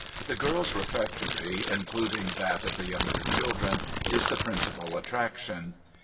The girls' refectory (including that of the younger children) is the principal attraction.